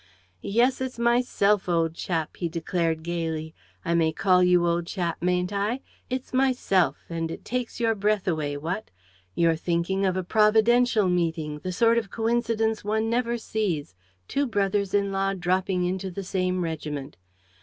"Yes, it's myself, old chap," he declared gaily. "I may call you old chap, mayn't I? It's myself and it takes your breath away, what? You're thinking of a providential meeting, the sort of coincidence one never sees: two brothers in law dropping into the same regiment.